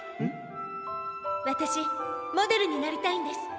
わたしモデルになりたいんです。